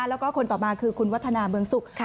แล้วก็คนต่อมาคือคุณวัฒนาเมืองสุข